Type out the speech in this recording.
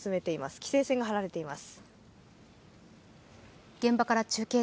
規制線が張られています。